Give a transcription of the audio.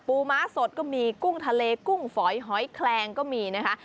ม้าสดก็มีกุ้งทะเลกุ้งฝอยหอยแคลงก็มีนะคะ